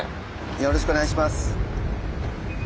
よろしくお願いします。